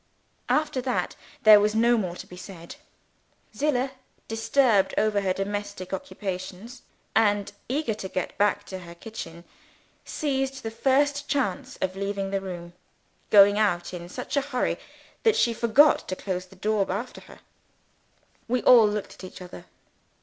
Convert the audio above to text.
After that, there was no more to be said. Zillah disturbed over her domestic occupations and eager to get back to her kitchen seized the first chance of leaving the room; going out in such a hurry that she forgot to close the door after her. We all looked at each other.